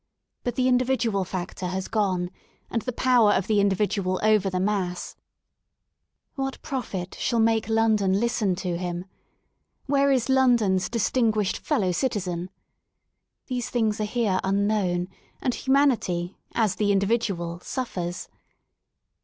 But the individual factor has gone and the power of the individual over the mass. What prophet shall make London listen to him? Where is London's "distinguished fellow citizen?" These things are here unknown, and humanity, as the individual, suffers.